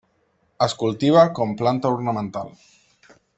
Es cultiva com planta ornamental.